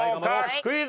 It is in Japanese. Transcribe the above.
クイズ。